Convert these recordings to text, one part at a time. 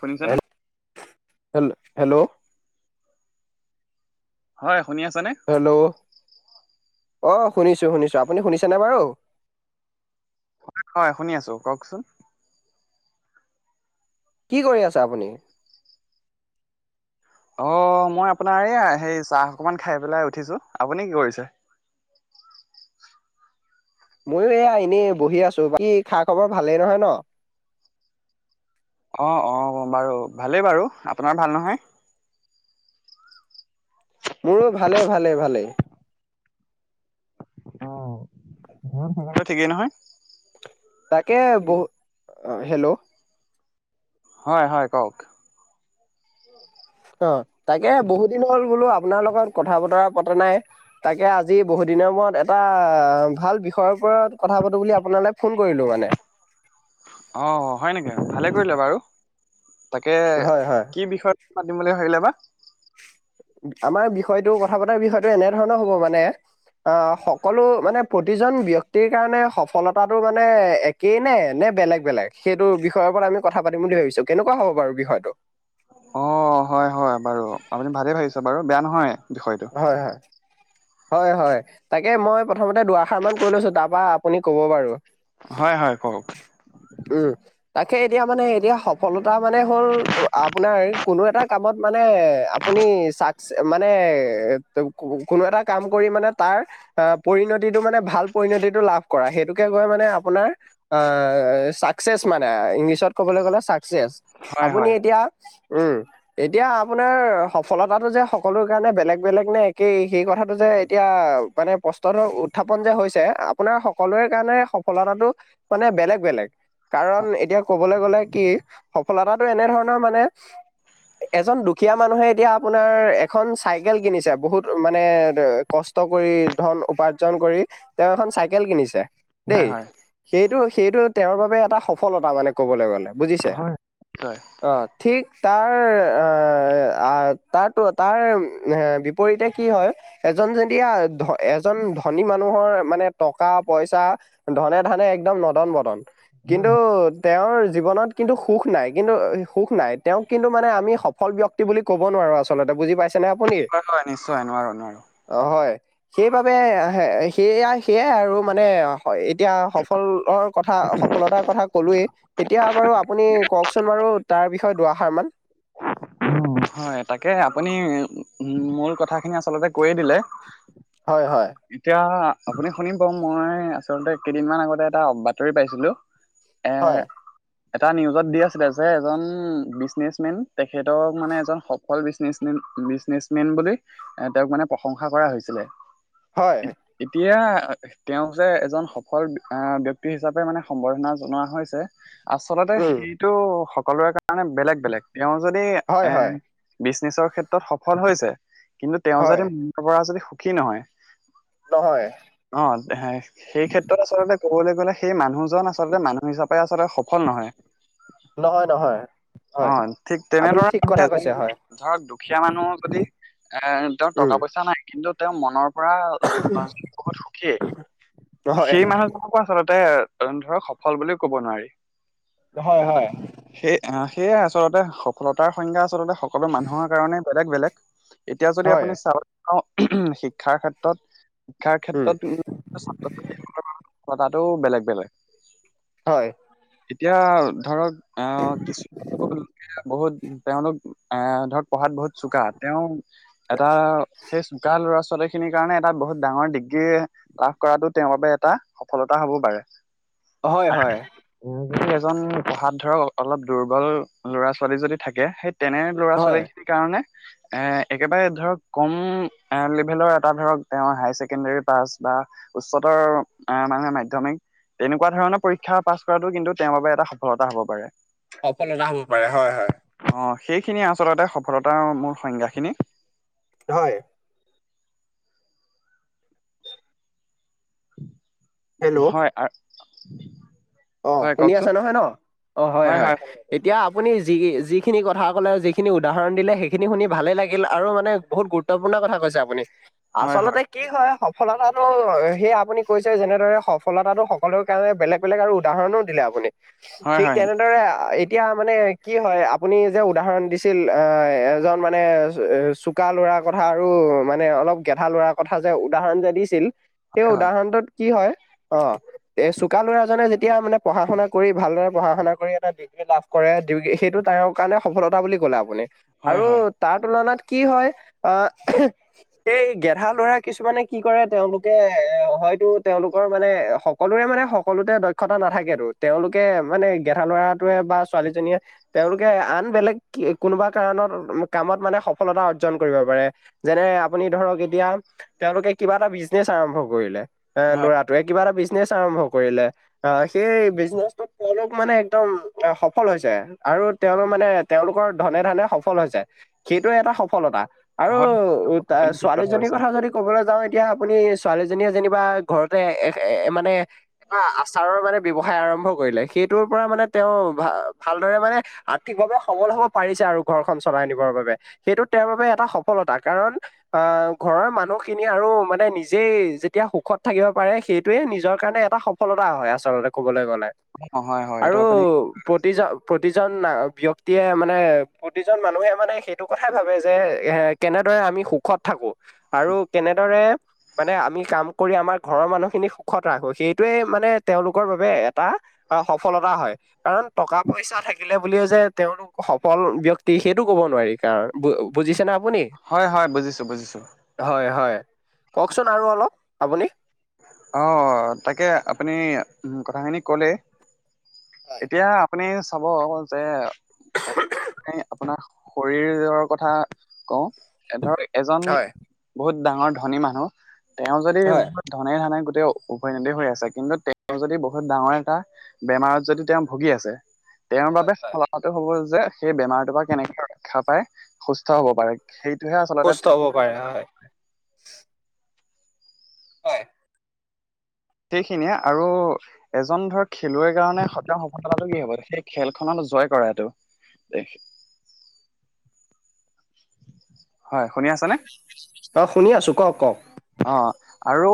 শুনিছানে? Hello hello! হয়, শুনি আছানে? হেল্লৌ'! অ' শুনিছো শুনিছো, আপুনি শুনিছেনে বাৰু? হয় শুনি আছো, কওঁকচোন। কি কৰি আছে আপুনি? অ' মই আপোনাৰ এইয়া হে চাহ অকমান খাই পেলাই উঠিছো। আপুনি কি কৰিছে? ময়ো এয়া এনেই বহি আছো। বাকী খা-খবৰ ভালেই নহয় ন? অ' অ' [unintelligible] ভালেই বাৰু, আপোনাৰ ভাল নহয়? মোৰো ভালেই ভালেই ভালেই। অ' ঘৰতো তোমালোকৰ ঠিকেই নহয়? তাকে বহু--হেল্লৌ'! হয় হয়, কওঁক! অ' তাকে বহুত দিন হ'ল বোলো আপোনাৰ লগত কথা-বতৰা পতা নাই। তাকে আজি বহুত দিনৰ মূৰত এটা ভাল বিষয়ৰ ওপৰত কথা পাতো বুলি আপোনালৈ ফোন কৰিলো মানে। অ' হয় নেকি? ভালে কৰিলা বাৰু! তাকে হয় হয় কি বিষয়ত? পাতিম বুলি ভাবিলা বা? আমাৰ বিষয়টো কথা পতাৰ বিষয়টো এনে ধৰণৰ হ'ব মানে অ' সকলো মানে প্ৰতিজন ব্যক্তিৰ কাৰণে সফলতাটো মানে একেই নে, নে বেলেগ বেলেগ সেইটো বিষয়ৰ ওপৰত আমি কথা পাতিম বুলি ভাবিছো। কেনেকুৱা হ'ব বাৰু বিষয়টো? অ' হয় হয় বাৰু! আপুনি ভালেই ভাবিছে বাৰু বেয়া নহয় বিষয়টো। হয় হয়। হয় হয়, তাকে মই প্ৰথমতে দু-আষাৰ মান কৈ লৈছো তাৰ পৰা আপুনি ক'ব বাৰু। হয় হয় কওঁক! উম। তাকে এতিয়া মানে, এতিয়া সফলতা মানে, হ'ল আপোনাৰ কোনো এটা কামত মানে আপুনি চাক্সচ, মানে কোনো এটা কাম কৰি মানে তাৰ আ, পৰিণতিটো মানে ভাল পৰিণতিটো লাভ কৰা, সেইটোকে গৈ মানে আপোনাৰ আ, চাক্সচেচ মানে ইংলিছত ক'বলৈ গ'লে চাক্সচেচ। হয় আপুনি হয় এতিয়া উম, এতিয়া আপোনাৰ সফলতাটো যে সকলো কাৰণে বেলেগ বেলেগ নে, একেইই সেই কথাটো যে এতিয়া মানে প্ৰশ্নটো উত্থাপন যে হৈছে আপোনাৰ সকলোৰে কাৰনে সফলতাটো মানে বেলেগ বেলেগ। হয় কাৰণ এতিয়া ক'বলে গ'লে কি সফলতাটো, এনে ধৰনৰ মানে এজন দুখীয়া মানুহে এতিয়া আপোনাৰ এখন চাই কেল কিনিছে, বহুত মানে কষ্ট কৰি ধন উপাৰ্জন কৰি। তেওঁ এখন চাইকেল কিনিছে দেই। হয়। সেইটো, সেইটো তেওঁৰ বাবে এটা সফলতা মানে ক'বলৈ গ'লে বুজিছে? হয় হয় অ', ঠিক তাৰ আৰ, তাৰ টো তাৰ নেম, বিপৰীতে কি হয়? এজন যেদিয়া ধ, এজন ধনী মানুহৰ মানে টকা-পইচা ধনে-ঢানে একদম নদন-বদন কিন্তু তেওঁৰ জীৱনত কিন্তু সুখ নাই, কিন্তু সুখ নাই, তেওঁক কিন্তু মানে আমি সফল ব্যক ক্তি, বুলি ক'ব নোৱাৰো আচলতে, বুজি পাইছে নে? হয় হয়, নিশ্চয় নোৱাৰো নোৱাৰো। অ', হয়, সেইবাবে সেয়া সেয়াই আৰু মানে হয়, এতিয়া সফলৰ কথা, সফলতাৰ কথা ক'লোৱেই। এতিয়া বাৰু, আপুনি কওকচোন বাৰু তাৰ বিষয়ে দুআষাৰ মান। ওম, হয়, তাকে আপুনি মূল কথাখিনি আচলতে কৈয়ে দিলে। হয় হয়। এতিয়া আপুনি শুনিব, মই আচলতে কেইদিন মান আগতে এটা বাতৰি পাইছিলো। এ, হয় এটা নিউজত দি আছিলে যে এজন বিজনেচ মেন তেখেতক মানে এজন সফল বিজনিচমেন, বিজনেচমেন বুলি এ, তেওঁক মানে প্ৰশংসা কৰা হৈছিলে। হয়। এতিয়া তেওঁক যে এজন সফল আহ, ব্যক্তি হিচাপে মানে সম্বৰ্ধনা জনোৱা হৈছে। আচলতে উম সেইটো সকলোৰে কাৰণে বেলেগ বেলেগ, তেওঁ যদি হয় এ হয় বিজনেছৰ ক্ষেত্ৰত সফল হৈছে, কিন্তু তেওঁ হয় যদি [unintelligible] পৰা যদি সুখী নহয় নহয়। অ', তেহে সেই ক্ষেত্ৰত আচলতে ক'বলৈ গ'লে, সেই মানুহজন আচলতে মানুহ হিচাপে আচলতে সফল নহয়। নহয় নহয়, অ হয়। ঠিক আপুনি ঠিক তেনেদৰে কথা এজন কৈছে হয় [unintelligible] দুখীয়া মানুহৰ যদি এনতৰ উম টকা-পইচা নাই, কিন্তু তেওঁ মনৰ পৰা [unintelligible] বহুত সুখী, হয় সেই মানুহজনকো আচলতে তে, তহঁনতক সফল বুলিও ক'ব নোৱাৰি। হয় হয়। সেই সেয়াই আচলতে, সফলতাৰ সংজ্ঞা আচলতে সকলো মানুহৰ কাৰণে বেলেগ বেলেগ। এতিয়া যদি হয় আপুনি চাব পাওঁ, শিক্ষাৰ ক্ষেত্ৰত, শিক্ষাৰ উম ক্ষেত্ৰত [inaudible] কথাটোও বেলেগ বেলেগ। হয়। এতিয়া ধৰক আ কিছু বহুত তেওঁলোক আ ধৰক পঢ়াত বহুত চোকা তেওঁ এটা সেই চোকা ল'ৰা ছোৱালীক সেইখিনিৰ কাৰণে এটা বহুত ডাঙৰ ডিগ্ৰী লাভ কৰাটো তেওঁৰ বাবে এটা সফলতা হব পাৰে। হয় হয় [unintelligible] যদি এজন পঢ়াত ধৰক অলপ দুৰ্বল ল'ৰা ছোৱালী যদি থাকে সেই তেনে ল'ৰা হয় ছোৱালী খিনিৰ কাৰণে এ একেবাৰে ধৰক কম লেবেলৰ এটা ধৰক তেওঁৰ হায়াৰ ছেকেণ্ডৰী পাছ বা উচ্চতৰ অ মানে মাধ্যমিক তেনেকুৱা ধৰণৰ পৰীক্ষা পাছ কৰাতো কিন্তু তেওঁৰ বাবে এটা সফলতা হ'ব পাৰে। সফলতা হ'ব পাৰে হয়- হয়। অঁ সেইখিনিয়ে আচলতে সফলতাৰ মোৰ সংজ্ঞাখিনি। হয়। হেল্ল' হয় আ অ হয় শুনি আছা কওকচোন নহয় ন অ হয় হয়। এতিয়া আপুনি যি যিখিনি কথা ক'লে যিখিনি উদাহৰণ দিলে সেইখিনি শুনি ভালেই লাগিল আৰু মানে বহুত গুৰুত্ গুৰুত্বপূৰ্ণ কথা কৈছে আপুনি আচলতে কি হয় সফলতাটো হেই আপুনি কৈছে যেনেদৰে সফলতাটো সকলোৰে কাৰণে বেলেগ বেলেগ আৰু উদাহৰণো দিলে আপুনি হয় ঠিক হয় তেনেদৰে আ এত এতিয়া মানে কি হয় আপুনি যে উদাহৰণ দিছিল এ এজন মানে অ চোক চোকা লৰা কথা আৰু মানে অলপ গেধা লৰা কথা যে উদাহৰণ যে দিছিল। সেই হয় উদাহৰণটোত কি হয় অ এ চোকা লৰাজনে যে তিয়া মানে পঢ়া-শুনা কৰি ভালদৰে পঢ়া শুনা কৰি এটা বি লাভ কৰে ডি সেইটো তেওৰ কাৰণে সফলতা বুলি ক'লে আপুনি হয় আৰু হয় তাৰ তুলনাত কি হয় অ এই গেধা লৰা কিছুমানে কি কৰে তেওঁলোকে এ হয়তো তেওঁলোকৰ মানে স- সকলোৰে মানে সকলোতে দক্ষতা নাথাকেতো তেওঁলোকে মানে গেধা লৰাটোৱে বা ছোৱালীজনীয়ে তেওঁলোকে আন বেলেগ কে কোনোবা কাৰণত কামত মানে সফলতা অৰ্জন কৰিব পাৰে। যেনে আপুনি ধৰক এতিয়া তেওঁলোকে কিবা এটা বিজনেচ আৰম্ভ কৰিলে। এ হয় ল'ৰাটোৱে কিবা এটা বিজনেছ আৰম্ভ কৰিলে। অ সেই বিজনেচটোত তেওঁলোক মানে একদম সফল হৈছে আৰু তেওঁ মানে তেওঁলোকৰ ধনে ধনে সফল হৈছে সেইটোৱে এটা সফলতা। আৰু হয় তা আপুনি ঠিক ছোৱালীজনীৰ কৈছে কথা যদি কবলে যাও এতিয়া আপুনি ছোৱালীজনীয়ে যেনিবা ঘৰতে এ এ মানে এটা আ চাহৰ মানে ব্যৱসায় আৰম্ভ কৰিলে সেইটোৰ পা মানে তেওঁ ভা ভালদৰে মানে আৰ্থিকভাৱে সবল হব পাৰিছে আৰু ঘৰখন চলাই নিবৰ বাবে। সেইটো তেওঁৰ বাবে এটা সফলতা কাৰণ আ ঘৰৰ মানুহ খিনি আৰু মানে নিজেই যেতিয়া সুখত থাকিব পাৰে সেই টোয়ে নিজৰ কাৰণে এটা সফলতা হয় আচলতে কবলৈ গলে অ হয় হয় এইটো আৰু আপুনি প্ৰতিজ প্ৰতিজন মা ব্যক্তিয়ে মানে প্ৰতিজন মানুহে মানে সেইটো কথাই ভাবে যে এ- কেনেদৰে আমি সুখত থাকো আৰু কেনেদৰে মানে আমি কাম কৰি আমাৰ ঘৰৰ মানুহখিনি সুখত ৰাখো সেইটোয়ে মানে তেওঁলোকৰ বাবে এটা অ সফলতা হয়। কাৰণ টকা পইচা থাকিলে বুলিও যে তেওঁলোক সফল ব্যক্তি সেইটো কব নোৱাৰি। কাৰণ বু বুজিছে নে আপুনি? হয় হয়, বুজিছোঁ বুজিছোঁ। হয় হয়, কওকচোন আৰু অলপ আপুনি। অ' তাকে আপুনি কথাখিনি ক'লে হয় এতিয়া আপুনি চাব যে এ, আপোনাৰ শৰীৰৰ কথা কওঁ এধৰ এজন হয় বহুত ডাঙৰ ধনী মানুহ তেওঁ যদি হয় ধনে ধানে গোটেই উভৈনদী হৈ আছে কিন্তু তেওঁ যদি বহুত ডাঙৰ এটা বেমাৰত যদি তেওঁ ভুগি আছে, তেওঁৰ বাবে হয় [unintelligible] হ'ব যে সেই বেমাৰটো পা কেনেকে ৰক্ষা পাই সুস্থ হ'ব পাৰে। সেইটোহে আচলতে সুস্থ হ'ব পাৰে হয়। হয়। সেইখিনিয়ে আৰু এজন ধৰ খেলুৱৈ কাৰণে সত সফলতাটো কি হ'ব, সেই খেলখনত জয় কৰাটো। [unintelligible] হয়, শুনি আছানে? অ' শুনি আছোঁ কওক কওক। অ'। আৰু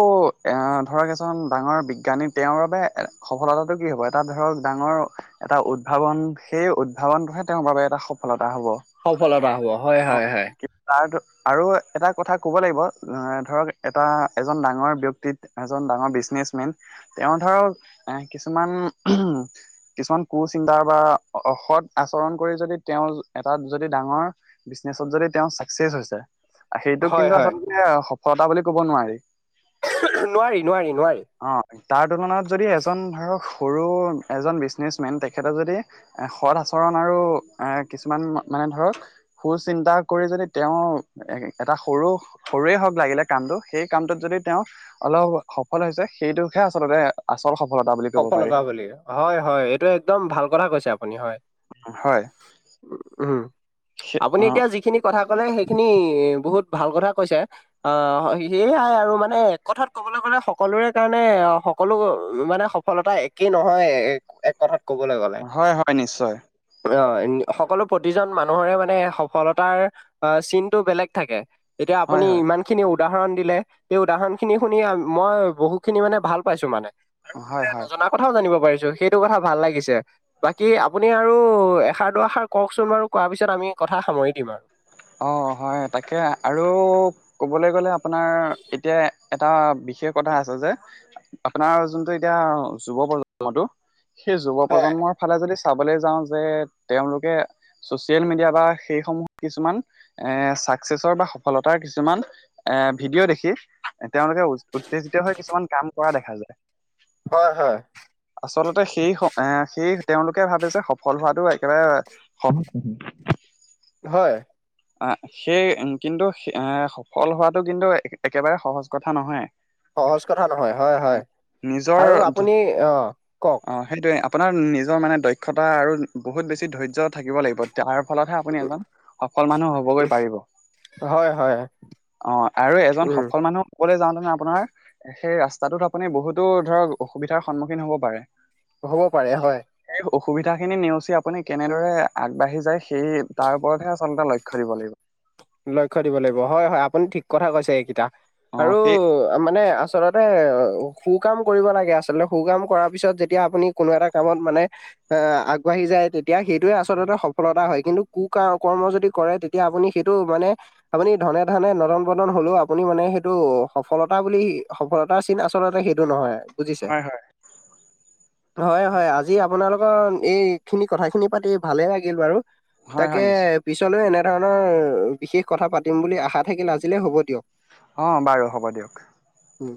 এ, ধৰক এজন ডাঙৰ বিজ্ঞানী, তেওঁৰ বাবে সফলতাটো কি হ'ব, এটা ধৰক ডাঙৰ এটা উদ্ভাৱন সেই উদ্ভাৱনটোহে তেওঁৰ বাবে এটা সফলতা হ'ব। সফলতা হ'ব হয় অ হয় হয়। তাৰ আৰু এটা কথা ক'ব লাগিব অ' ধৰক এটা এজন ডাঙৰ ব্যক্তিত, এজন ডাঙৰ বিজনেচমেন তেওঁ ধৰক এ, কিছুমান কিছুমান কুচিন্তা বা অসৎ আচৰণ কৰি যদি তেওঁ এটাত যদি ডাঙৰ বিজনেচত যদি তেওঁ ছাকচেছ হৈছে সেইটোক হয় কিন্তু হয় আচলতে সফলতা বুলি ক'ব নোৱাৰি। নোৱাৰি নোৱাৰি নোৱাৰি। অ' তাৰ তুলনাত যদি এজন ধৰক সৰু এজন বিজনেচমেন তেখেতক যদি সৎ আচৰণ আৰু এ, কিছুমান মানে ধৰক সু চিন্তা কৰি যদি তেওঁৰ এ, এটা সৰু সৰুৱে হওক লাগিলে কামটো সেই কামটোত যদি তেওঁ অলপ সফল হৈছে সেইটোহে আচলতে আচল সফলতা বুলি ক'ব পাৰি সফলতা বুলি, হয়, হয়, এইটো একদম ভাল কথা কৈছে আপুনি, হয়। হয়। উম। আপুনি অ' এতিয়া যিখিনি কথা ক'লে সেইখিনি বহুত ভাল কথা কৈছে। অ' সেয়াই আৰু মানে এক কথাত ক'বলৈ গ'লে সকলোৰে কাৰণে সকলো মানে সফলতা একেই নহয়, এ-এক কথাত ক'বলৈ গ'লে। হয় হয় নিশ্চয় অ' সকলো প্ৰতিজন মানুহৰে মানে সফলতাৰ আ, চিনটো বেলেগ থাকে। এতিয়া হয় আপুনি হয় ইমান খিনি উদাহৰণ দিলে, সেই উদাহৰণখিনি শুনি আ, মই বহুখিনি মানে ভাল পাইছোঁ মানে। তে হয় হয় নজনা কথাও জানিব পাৰিছোঁ, সেইটো কথা ভাল লাগিছে। বাকী আপুনি আৰু এষাৰ দুৱাষাৰ কওকচোন বাৰু, কোৱাৰ পিছত আমি কথা সামৰি দিম আৰু। অ' হয় তাকে, আৰু ক'বলৈ গলে আপোনাৰ, এতিয়া এটা বিশেষ কথা আছে যে আপোনাৰ যোনটো এতিয়া যুৱ প্ৰজন্মটো, সেই যুৱ হয়, প্ৰজন্মৰ ফালে যদি চাবলৈ যাওঁ যে, তেওঁলোকে চচিয়েল মিডিয়া বা সেইসমূহ কিছুমান এ' চাকচেছৰ বা সফলতাৰ কিছুমান এ' ভিডিঅ' দেখি তেওঁলোকে উ-উত্তেজিত হৈ কিছুমান কাম কৰা দেখা যায়। হয়, হয়। আচলতে সেই স, এ, সেই তেওঁলোকে ভাবে যে, সফল হোৱাটো একেবাৰে ক্ষণ! হয়। এ সেই কিন্তু সে-সফল হোৱাটো কিন্তু, এ-একেবাৰে সহজ কথা নহয়। সহজ কথা নহয়। হয়, হয় আৰু নিজৰ আপুনি অ' কওক অ সেইটোৱে আপোনাৰ নিজৰ মানে দক্ষতা আৰু বহুত বেছি ধৈৰ্য থাকিব লাগিব। তাৰ ফলত হে আপুনি এজন সফল মানুহ হ'বগৈ পাৰিব। হয়, হয়, অ' আৰু এজন উম, সফল মানুহ অকলে যাওঁতেনে আপোনাৰ সেই ৰাস্তাটোত আপুনি বহুতো ধৰক, অসুবিধাৰ সন্মুখীন হ'ব পাৰে। হ'ব পাৰে হয়। সেই অসুবিধা খিনি নেওচি আপুনি কেনেদৰে আগবাঢ়ি যায়, সেই তাৰ ওপৰতহে আচ চলতে লক্ষ্য দিব লাগিব। লক্ষ্য দিব লাগিব, হয় হয় আপুনি ঠিক কথা কৈছে এইকেইটা। অ আৰু সেই আ মানে আচলতে সু-কাম কৰিব লাগে আচলতে, সু-কাম কৰাৰ পিছত যেতিয়া আপুনি কোনো এটা কামত মানে এ, আগবাঢ়ি যায় তেতিয়া সেইটোৱে আচলতে সফলতা হয়, কিন্তু কু কা কৰ্ম যদি কৰে, তেতিয়া আপুনি সেইটো মানে আপুনি ধনে-ধানে, নদন-বদন হলেওঁ আপুনি মানে সেইটো সফলতা বুলি সফলতা তাৰ চীন আচলতে সেইটো নহয়, বুজিছে? হয় হয় হয় হয়, আজি আপোনালোকৰ এই খিনি কথাখিনি পাতি ভালে লাগিল বাৰু। হয় তাকে হয় নিশ্চয় পিছলৈও এনেধৰণৰ বিশেষ কথা পাতিম বুলি আশা থাকিল, আজিলে হ'ব দিয়ক। অ', বাৰু হ'ব দিয়ক। উম।